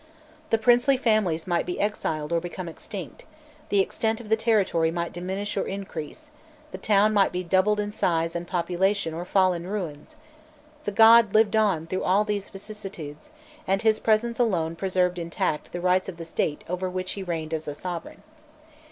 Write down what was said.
The princely families might be exiled or become extinct, the extent of the territory might diminish or increase, the town might be doubled in size and population or fall in ruins: the god lived on through all these vicissitudes, and his presence alone preserved intact the rights of the state over which he reigned as sovereign.